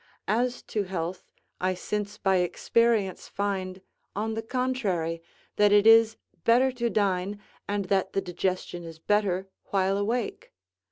As to health, I since by experience find, on the contrary, that it is better to dine, and that the digestion is better while awake.